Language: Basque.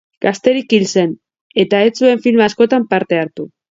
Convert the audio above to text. Gazterik hil zen, eta ez zuen film askotan parte hartu.